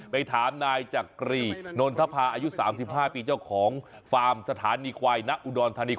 ไปถามนายจักรีนนทภาอายุ๓๕ปีเจ้าของฟาร์มสถานีควายณอุดรธานี